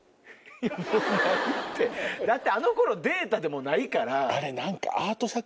だってあの頃データでもないから。